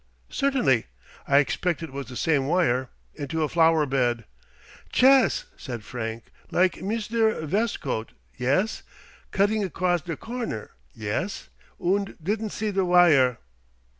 "Certainly. I expect it was the same wire. Into a flower bed." "Chess," said Frank. "Like Misder Vestcote, yes? Cudding across der corner, yes, und didn't see der vire?"